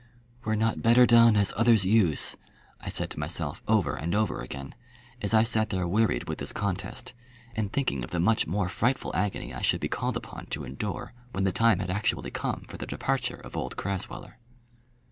"Were not better done as others use," I said to myself over and over again as I sat there wearied with this contest, and thinking of the much more frightful agony I should be called upon to endure when the time had actually come for the departure of old Crasweller.